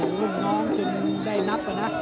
เป็นรุ่นน้องจนได้นับนะ